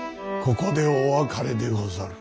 ここでお別れでござる。